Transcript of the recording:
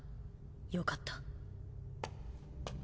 よかった。